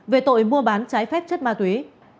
về tội mua bán trái phép chất ma túy